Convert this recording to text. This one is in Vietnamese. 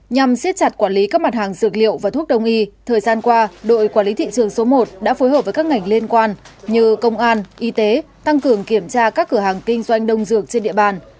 nhằm siết chặt quản lý các mặt hàng dược liệu và thuốc đông y thời gian qua đội quản lý thị trường số một đã phối hợp với các ngành liên quan như công an y tế tăng cường kiểm tra các cửa hàng kinh doanh đông dược trên địa bàn